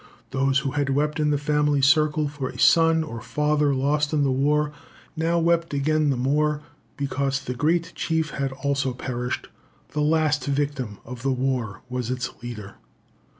Those who had wept in the family circle for a son or father lost in the war, now wept again the more because the great chief had also perished. The last victim of the war was its leader.